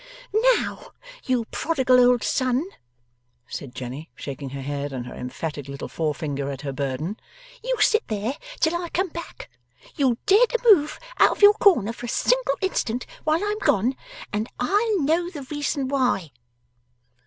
'Now you prodigal old son,' said Jenny, shaking her head and her emphatic little forefinger at her burden, 'you sit there till I come back. You dare to move out of your corner for a single instant while I'm gone, and I'll know the reason why.